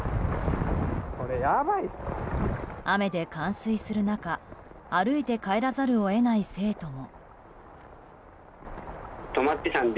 雨で冠水する中歩いて帰らざるを得ない生徒も。